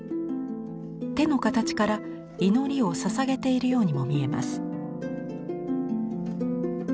手の形から祈りをささげているようにも見えます。